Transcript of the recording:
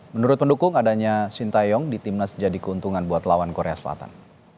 menurut pendukung adanya shin taeyong di timnas jadi keuntungan buat lawan korea selatan